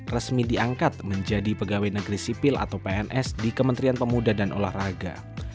resmi diangkat menjadi pegawai negeri sipil atau pns di kementerian pemuda dan olahraga